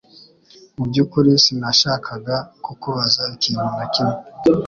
Mubyukuri sinashakaga kukubaza ikintu na kimwe